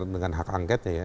dengan hak angketnya ya